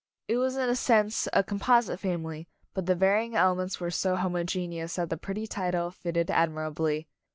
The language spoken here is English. It was in a 'Anne's Wedding sense a composite family, but the varying elements were so homogeneous that the pretty title fitted admirably.